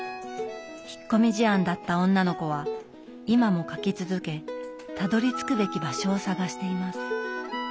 引っ込み思案だった女の子は今も書き続けたどりつくべき場所を探しています。